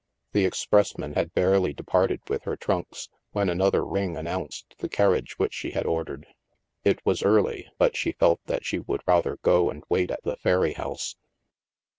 The expressman had barely departed with her trunks, when another ring announced the carriage which she had ordered. It was early, but she felt that she would rather go and wait at the ferry house.